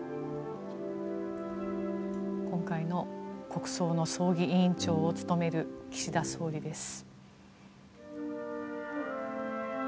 今回の国葬の葬儀委員長を務める岸田総理です。